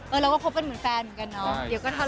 เราก็คบกันเหมือนแฟนเหมือนกันเนาะ